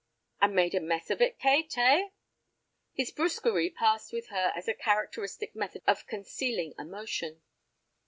"And made a mess of it, Kate, eh?" His brusquerie passed with her as a characteristic method of concealing emotion.